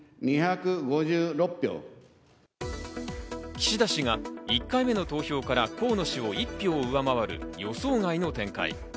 岸田氏が１回目の投票から河野氏を１票上回る予想外の展開。